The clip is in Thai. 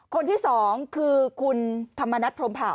คนที่สองคือคุณธรรมนัฐพรมเผา